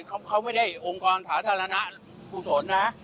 เขาไม่ได้องค์กรภาษาธรรณะผู้สนนะ